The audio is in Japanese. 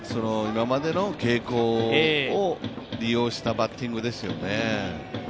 今までの傾向を利用したバッティングですよね。